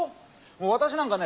もう私なんかね